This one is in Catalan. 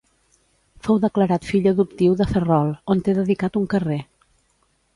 Fou declarat fill adoptiu de Ferrol, on té dedicat un carrer.